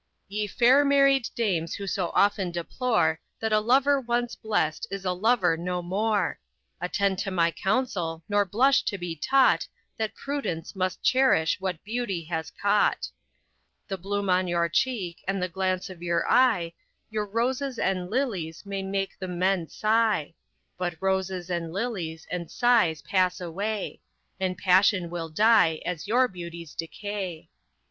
Ye fair married dames who so often deplore That a lover once blest is a lover no more; Attend to my counsel, nor blush to be taught That prudence must cherish what beauty has caught. The bloom on your cheek, and the glance of your eye, Your roses and lilies may make the men sigh; But roses, and lilies, and sighs pass away, And passion will die as your beauties decay.